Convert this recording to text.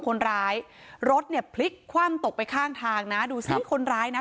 คนร้ายรถเนี่ยพลิกคว่ำตกไปข้างทางนะดูสิคนร้ายนะ